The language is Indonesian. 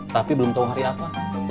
tapi belum tahu hari apa